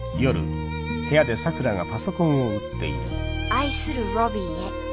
「愛するロビーへ。